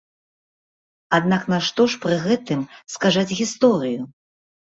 Аднак нашто ж пры гэтым скажаць гісторыю?